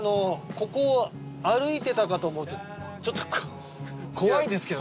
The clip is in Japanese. ここを歩いてたかと思うとちょっと怖いですけど。